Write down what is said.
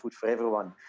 untuk semua orang